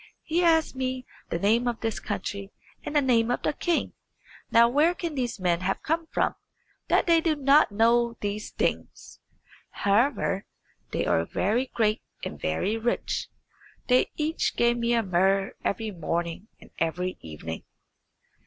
He asked me the name of this country and the name of the king. Now where can these men have come from, that they do not know these things? However, they are very great and very rich. They each give me a muhr every morning and every evening."